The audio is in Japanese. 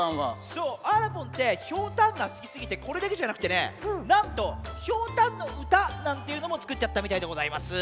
そうあらぽんってひょうたんがすきすぎてこれだけじゃなくってねなんとひょうたんのうたなんていうのもつくっちゃったみたいでございます。